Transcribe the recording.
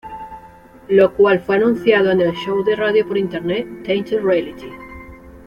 Lo cual fue anunciado en el show de radio por internet "Tainted Reality".